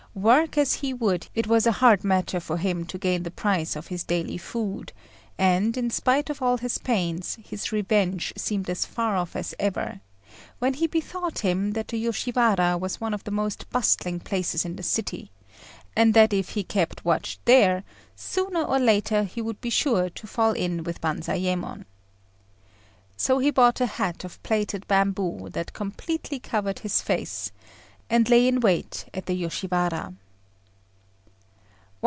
Work as he would, it was a hard matter for him to gain the price of his daily food, and, in spite of all his pains, his revenge seemed as far off as ever, when he bethought him that the Yoshiwara was one of the most bustling places in the city, and that if he kept watch there, sooner or later he would be sure to fall in with Banzayémon. So be bought a hat of plaited bamboo, that completely covered his face, and lay in wait at the Yoshiwara.